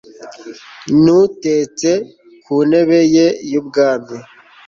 ni utetse ku ntebe ye y'ubwami